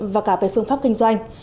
và cả về phương pháp kinh doanh